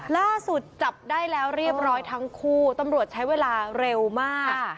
ล่าสุดจับได้แล้วเรียบร้อยทั้งคู่ตำรวจใช้เวลาเร็วมาก